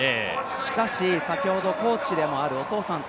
しかし先ほどコーチでもあるお父さんと